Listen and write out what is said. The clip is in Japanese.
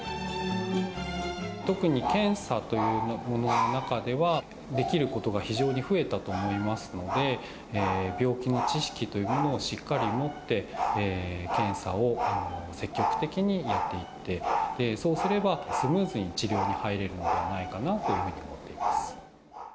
特に検査というものの中では、できることが非常に増えたと思いますので、病気の知識というものをしっかり持って、検査を積極的にやっていって、そうすれば、スムーズに治療に入れるのではないかなというふうに思っています。